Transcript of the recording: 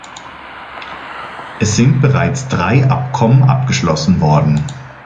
Es sind bereits drei Abkommen abgeschlossen worden.